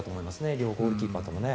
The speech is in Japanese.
両ゴールキーパーとも。